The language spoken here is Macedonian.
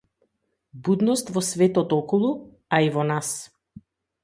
Будност за светот околу, а и во нас.